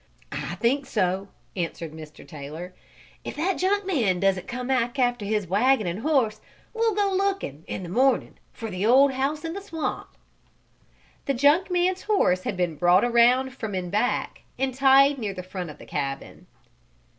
"I think so," answered Mr. Taylor. "If that junk man doesn't come back after his wagon and horse we'll go looking, in the morning, for the old house in the swamp." The junk man's horse had been brought around from in back, and tied near the front of the cabin.